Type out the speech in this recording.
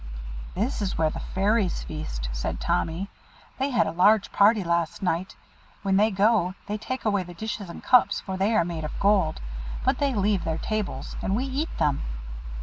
"This is where the fairies feast," said Tommy. "They had a large party last night. When they go, they take away the dishes and cups, for they are made of gold; but they leave their tables, and we eat them."